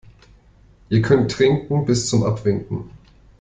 Ihr könnt trinken bis zum Abwinken.